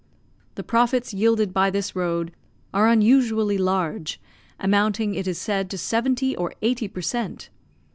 The profits yielded by this road are unusually large, amounting, it is said, to seventy or eighty per cent.